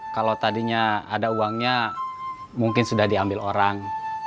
kalau tadinya ada uangnya mungkin sudah diambil orang